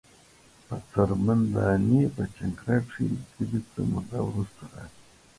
په څرمن دانی په جنکره کښی له تبی څه موده وروسته راځی۔